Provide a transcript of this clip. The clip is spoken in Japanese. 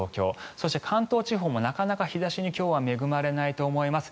そして、関東地方もなかなか日差しに今日は恵まれないと思います。